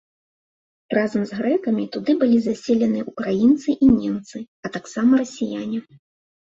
Разам з грэкамі туды былі заселены ўкраінцы і немцы, а таксама расіяне.